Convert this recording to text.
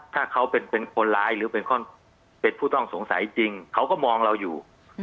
ถ้าเขาเป็นคนร้ายหรือเป็นผู้ต้องสงสัยจริงเขาก็มองเราอยู่